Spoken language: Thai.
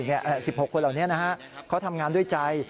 ๑๖คนเหล่านี้เขาทำงานด้วยใจ